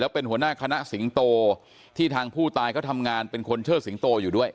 เป็นหัวหน้าคณะสิงโตที่ทางผู้ตายเขาทำงานเป็นคนเชิดสิงโตอยู่ด้วย